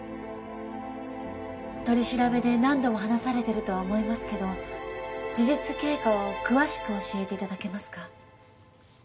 取り調べで何度も話されてるとは思いますけど事実経過を詳しく教えて頂けますか？